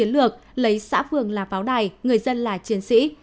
lấy xã phường là pháo đài người dân là chiến sĩ